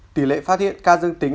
tỷ lệ phát hiện ca dương tính